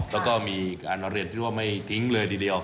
แล้วก็มีการเนิ้นเลือกไม่ทิ้งเลยเดียว